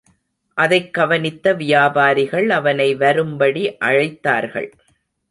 அதைக் கவனித்த வியாபாரிகள் அவனை வரும்படி அழைத்தார்கள்.